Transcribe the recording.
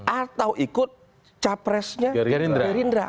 atau ikut capresnya gerindra